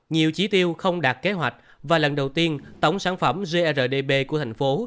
nhiều chỉ tiêu không đạt kế hoạch và lần đầu tiên tổng sản phẩm grdb của thành phố